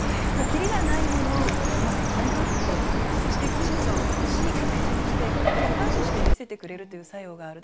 切りがないものを切り取ってきちんと美しい形にして客観視して見せてくれるという作用がある。